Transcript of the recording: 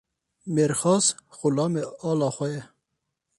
Mêrxas, xulamê ala xwe ye.